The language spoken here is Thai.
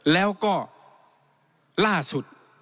แล้วก็ล่าสุด